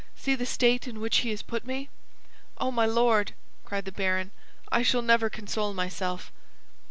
See the state in which he has put me." "Oh, my Lord!" cried the baron, "I shall never console myself."